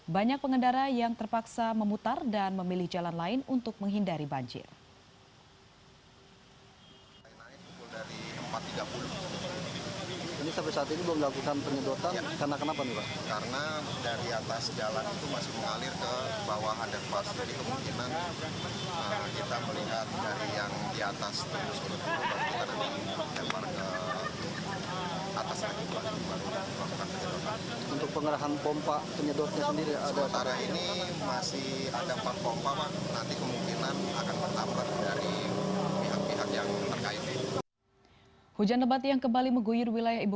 banyak pengendara yang terpaksa memutar dan memilih jalan lain untuk menghindari banjir